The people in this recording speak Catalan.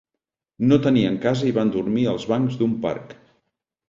No tenien casa i van dormir als bancs d'un parc.